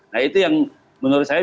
nah itu yang menurut saya